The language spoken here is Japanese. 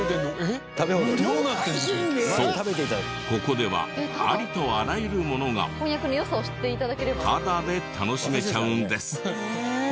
そうここではありとあらゆるものがタダで楽しめちゃうんです。